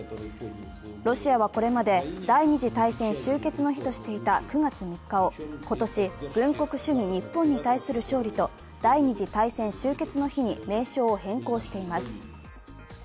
ロシアはこれまで、第二次大戦終結の日としていた９月３日を今年、軍国主義日本に対する勝利と第二次大戦終結の日に名称を変更しています。